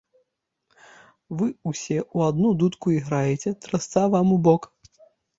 Вы ўсе ў адну дудку іграеце, трасца вам у бок!